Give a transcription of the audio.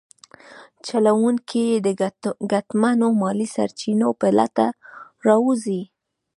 چلونکي یې د ګټمنو مالي سرچینو په لټه راوځي.